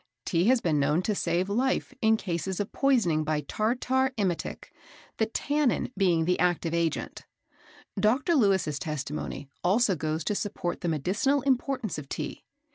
Tea has been known to save life in cases of poisoning by tartar emetic, the tannin being the active agent. Dr. Lewis's testimony also goes to support the medicinal importance of Tea.